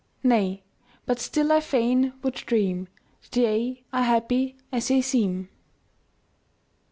Nay but still I fain would dream That ye are happy as ye seem.